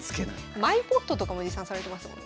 マイポットとかも持参されてますもんね。